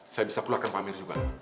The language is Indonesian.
saya bisa keluarkan pak amir juga